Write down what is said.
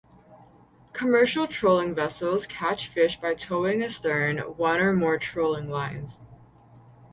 Commercial trolling vessels catch fish by towing astern one or more trolling lines.